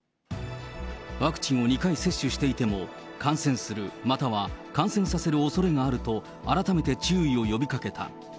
ワクチンを２回接種していても、感染する、または感染させるおそれがあると、改めて注意を呼びかけた。